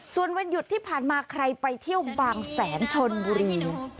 ส่วนวันหยุดที่ผ่านมาใครไปเที่ยวบางแสนชนบุรี